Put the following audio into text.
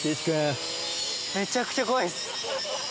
めちゃくちゃ怖いです。